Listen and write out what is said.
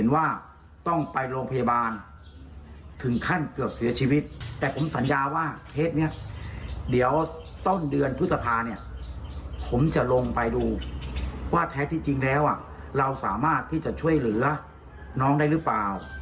ว่าแท้ที่จริงแล้วเราสามารถที่จะช่วยเหลือน้องได้หรือเปล่า